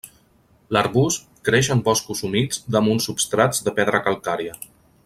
L'arbust creix en boscos humits damunt substrats de pedra calcària.